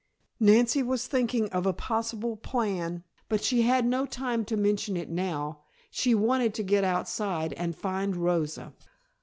Nancy was thinking of a possible plan, but she had no time to mention it now. She wanted to get outside and find Rosa.